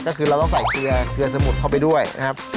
ก็คือเราต้องใส่เกลือเกลือสมุดเข้าไปด้วยนะครับ